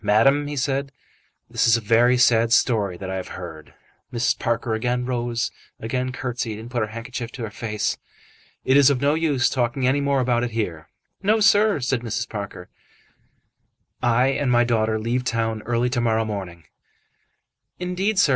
"Madam," he said, "this is a very sad story that I have heard." Mrs. Parker again rose, again curtsied, and put her handkerchief to her face. "It is of no use talking any more about it here." "No, sir," said Mrs. Parker. "I and my daughter leave town early to morrow morning." "Indeed, sir.